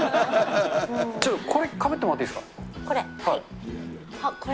ちょっとこれかぶってもらっていこれ？